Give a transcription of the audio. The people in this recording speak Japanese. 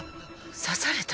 刺された？